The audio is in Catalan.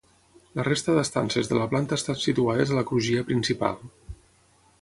La resta d'estances de la planta estan situades a la crugia principal.